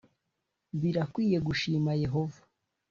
birakwiye gushima yehova